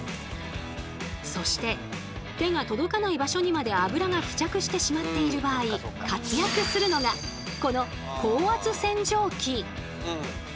そして手が届かない場所にまであぶらが付着してしまっている場合活躍するのがこの高圧洗浄機！